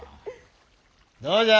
どうじゃ？